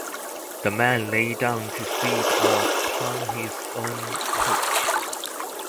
The man lay down to sleep upon his own couch.